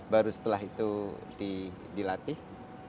baru setelah itu dilatih